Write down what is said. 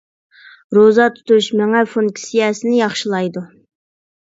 روزا تۇتۇش مېڭە فۇنكسىيەسىنى ياخشىلايدۇ.